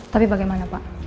tapi bagaimana pak